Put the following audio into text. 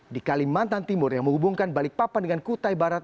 di kalimantan timur yang menghubungkan balikpapan dengan kutai barat